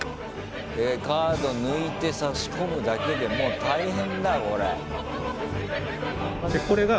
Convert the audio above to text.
カード抜いて差し込むだけでもう大変だよこれ。